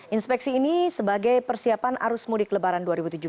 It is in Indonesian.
inspeksi ini sebagai persiapan arus mudik lebaran dua ribu tujuh belas